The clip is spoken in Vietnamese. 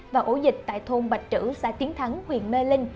và ổ dịch tại thôn bạch trữ xã tiến thắng huyện mê linh